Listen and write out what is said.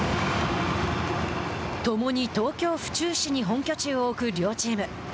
ともに東京・府中市に本拠地を置く両チーム。